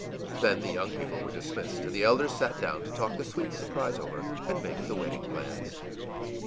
î Then the young people were dismissed, and the elders sat down to talk the sweet surprise over and make the wedding plans.